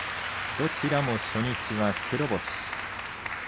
どちらも初日は黒星。